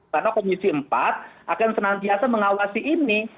karena komisi empat akan senantiasa mengawasi ini